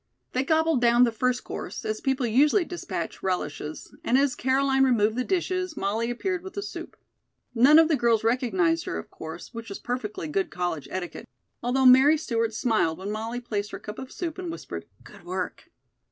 They gobbled down the first course as people usually dispatch relishes, and as Caroline removed the dishes, Molly appeared with the soup. None of the girls recognized her, of course, which was perfectly good college etiquette, although Mary Stewart smiled when Molly placed her cup of soup and whispered: "Good work."